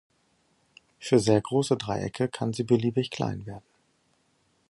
Für sehr große Dreiecke kann sie beliebig klein werden.